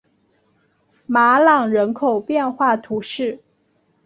马朗人口变化图示